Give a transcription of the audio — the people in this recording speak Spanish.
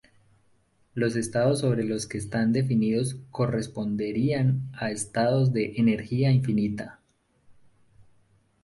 Los estados sobre los que no está definidos corresponderían a estados de "energía infinita".